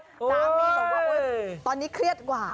สามีบอกว่าตอนนี้เครียดกว่า